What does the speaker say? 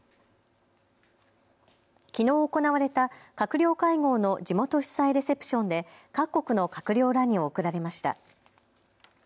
きのう行われた閣僚会合の地元主催レセプションで各国の閣僚らに贈られました。